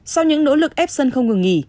sau những nỗ lực ép sân không ngừng nghỉ